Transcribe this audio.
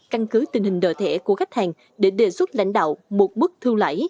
căn cứ tình hình đợi thẻ của khách hàng để đề xuất lãnh đạo một bước thưu lãi